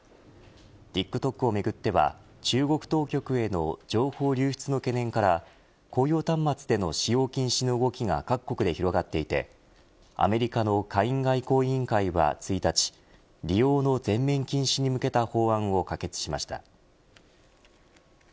ＴｉｋＴｏｋをめぐっては中国当局への情報流出の懸念から公用端末での使用禁止の動きが各国で広がっていてアメリカの下院外交委員会は１日利用の全面禁止に向けた法案を可決しました。